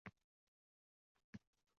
Bu ish bizning qo‘limizdan kelmaydi, debdilar